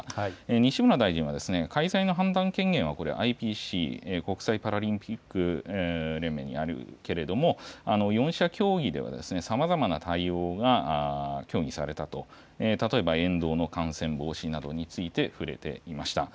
西村大臣は、開催の判断権限はこれ、ＩＰＣ・国際パラリンピック連盟にあるけれども、４者協議では、さまざまな対応が協議されたと、例えば沿道の感染防止などについて触れていました。